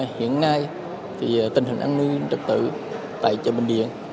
hiện nay tình hình an ninh trật tự tại chợ bình điện